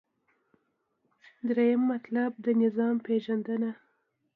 دریم مطلب : د نظام پیژندنه